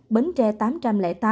bến tre một tám trăm linh tám ca